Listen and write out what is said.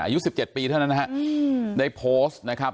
อายุ๑๗ปีเท่านั้นนะฮะได้โพสต์นะครับ